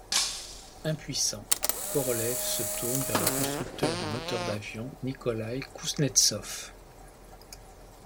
Impuissant, Korolev se tourne vers le constructeur de moteurs d'avion Nikolaï Kouznetsov.